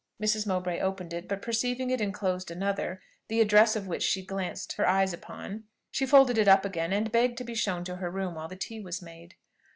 Mrs. Mowbray opened it; but perceiving it enclosed another, the address of which she glanced her eye upon, she folded it up again, and begged to be shown to her room while the tea was made.